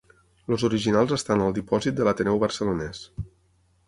Els originals estan al dipòsit de l’Ateneu Barcelonès.